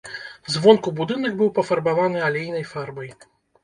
Звонку будынак быў пафарбаваны алейнай фарбай.